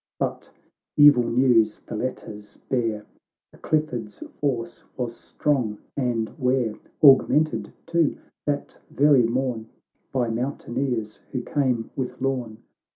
But evil news the letters bare, The Clifford's force was strong and ware, Augmented, too, that very morn, By mountaineers who came with Lorn.